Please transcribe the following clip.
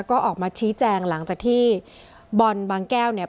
ก็ออกมาชี้แจงหลังจากที่บอลบางแก้วเนี่ย